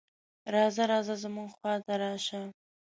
"راځه راځه زموږ خواته راشه".